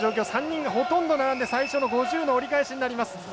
３人がほとんど並んで最初の５０の折り返しになります。